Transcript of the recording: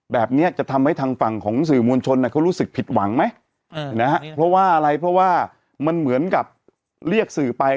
แบบนี้จะทำให้ทางฝั่งของสื่อมวลชนเขารู้สึกผิดหวังไหมเพราะว่าอะไรเพราะว่ามันเหมือนกับเรียกสื่อไป